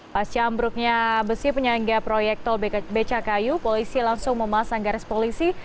pasca ambruknya besi penyangga proyek tol becakayu polisi langsung memasang garis polisi